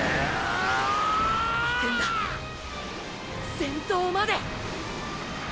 先頭まで！！